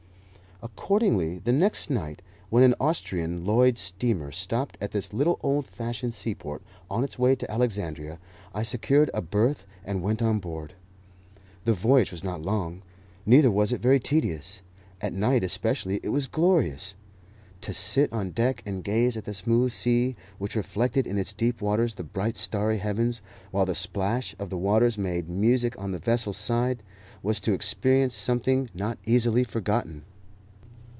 Accordingly the next night, when an Austrian Lloyd steamer stopped at this little old fashioned seaport on its way to Alexandria, I secured a berth and went on board. The voyage was not long, neither was it very tedious; at night, especially, it was glorious. To sit on deck and gaze at the smooth sea, which reflected in its deep waters the bright starry heavens, while the splash of the waters made music on the vessel's side, was to experience something not easily forgotten.